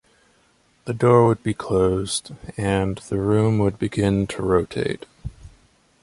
The door would be closed and the room would begin to rotate.